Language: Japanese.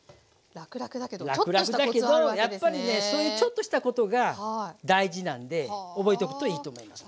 らくらくだけどやっぱりねそういうちょっとしたことが大事なんで覚えておくといいと思います。